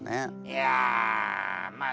いやまあね。